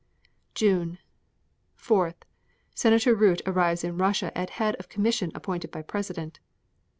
June 4. Senator Root arrives in Russia at head of commission appointed by President.